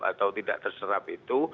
atau tidak terserap itu